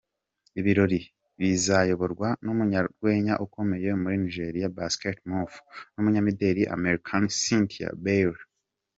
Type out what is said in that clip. Ibirori bizayoborwa n’umunyarwenya ukomeye muri Nigeria Basket Mouth n’umunyamideli American Cynthia Bailey.